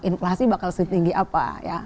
inflasi bakal setinggi apa ya